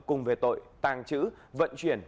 cùng về tội tàng trữ vận chuyển